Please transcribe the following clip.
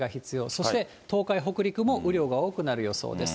そして東海、北陸も雨量が多くなる予想です。